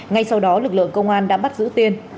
ngay sau đó lực lượng công an đã bắt giữ tiên